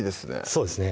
そうですね